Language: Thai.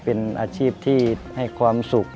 เป็นอาชีพที่ให้ความสุข